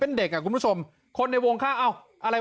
เป็นเด็กกับคุณผู้ชมคนในวงค่าเอาอะไร